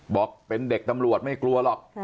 บอกเป็นเด็กตำรวจไม่กลัวหรอก